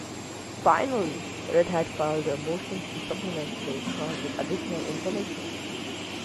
Finally, Red Hat filed a motion to supplement the record with additional information.